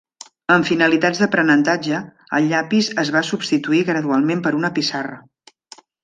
Amb finalitats d'aprenentatge, el llapis es va substituir gradualment per una pissarra.